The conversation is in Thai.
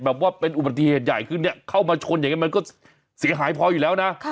ว่าเป็นอุบัติเหตุใหญ่ขึ้นเนี่ยเข้ามาชนอย่างนั้นมันก็เสียหายพออยู่แล้วนะ